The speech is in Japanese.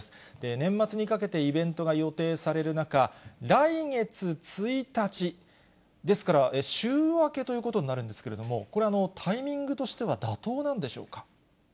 年末にかけてイベントが予定される中、来月１日、ですから、週明けということになるんですけれども、これ、タイミングとしては妥当なんでしょうか。